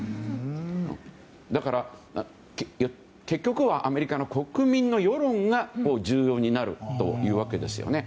だから、結局はアメリカの国民の世論が重要になるというわけですよね。